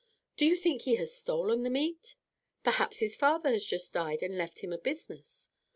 "Do you think he has stolen the meat?" "Perhaps his father has just died and left him a business."